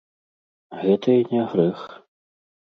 Гэта і не грэх.